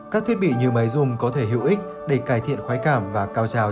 các thiết bị như máy dùng có thể hữu ích để cải thiện khoái cảm và cao trào